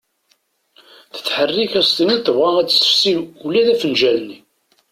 Tetherrik ad as-tiniḍ tebɣa ad tessefsi ula d afenǧal-nni.